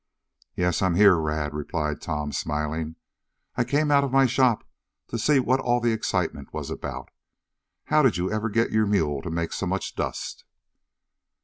"Yes, I'm here, Rad," replied Tom, smiling. "I came out of my shop to see what all the excitement was about. How did you ever get your mule to make so much dust?"